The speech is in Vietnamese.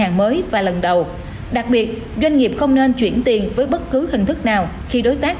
hàng mới và lần đầu đặc biệt doanh nghiệp không nên chuyển tiền với bất cứ hình thức nào khi đối tác